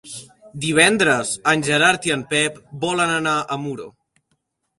Divendres en Gerard i en Pep volen anar a Muro.